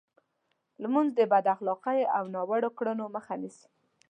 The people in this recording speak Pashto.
لمونځ د بد اخلاقۍ او ناوړو کړنو مخه نیسي.